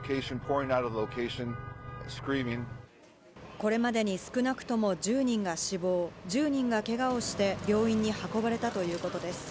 これまでに少なくとも１０人が死亡、１０人がけがをして、病院に運ばれたということです。